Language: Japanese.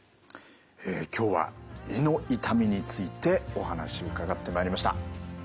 今日は胃の痛みについてお話伺ってまいりました。